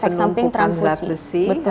efek samping transfusi betul